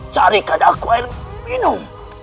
carikan aku air minum